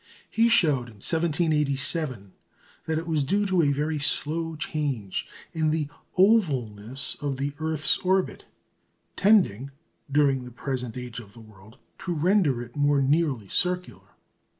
He showed, in 1787, that it was due to a very slow change in the ovalness of the earth's orbit, tending, during the present age of the world, to render it more nearly circular.